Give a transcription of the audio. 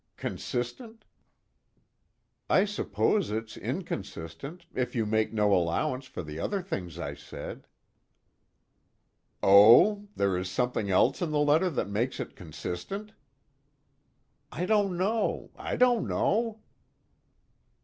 Consistent?" "I suppose it's inconsistent, if you make no allowance for the other things I said." "Oh there is something else in the letter that makes it consistent?" "I don't know I don't know."